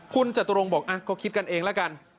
คุณจตุรงค์บอกก็คิดกันเองแล้วกัน